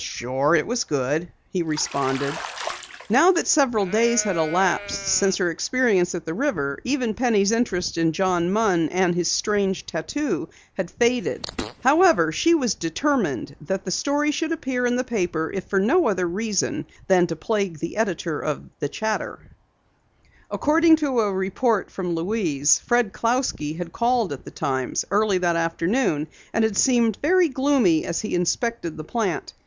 "Sure, it was good," he responded. Now that several days had elapsed since her experience at the river, even Penny's interest in John Munn and his strange tattoo, had faded. However, she was determined that the story should appear in the paper if for no other reason than to plague the editor of Chatter. According to a report from Louise, Fred Clousky had called at the Times early that afternoon, and had seemed very gloomy as he inspected the plant.